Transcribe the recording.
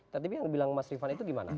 tapi yang bilang mas rifan itu gimana